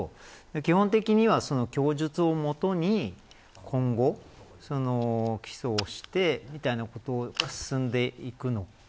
基本的にはその供述を基に今後、起訴をしてということが進んでいくのか。